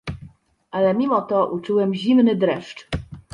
Ale mimo to uczułem zimny dreszcz.